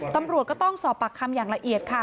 ตำรวจก็ต้องสอบปากคำอย่างละเอียดค่ะ